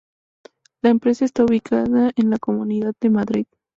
La empresa está ubicada en la Comunidad de Madrid.